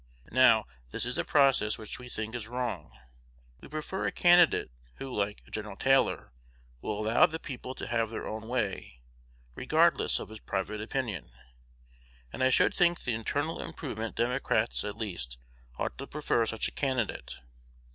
Now, this is a process which we think is wrong. We prefer a candidate, who, like Gen. Taylor, will allow the people to have their own way, regardless of his private opinion; and I should think the internal improvement Democrats, at least, ought to prefer such a candidate.